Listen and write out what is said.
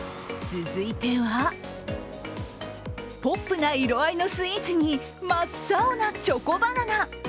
続いてはポップな色合いのスイーツに真っ青なチョコバナナ。